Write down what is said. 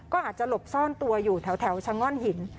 ก็อาจจะหลบซ่อนตัวอยู่แถวชะง่อนหิน